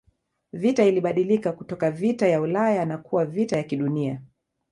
Vita ilibadilika kutoka vita ya Ulaya na kuwa vita ya kidunia